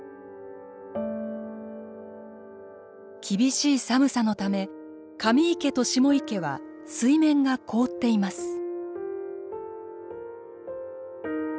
厳しい寒さのため上池と下池は水面が凍っています。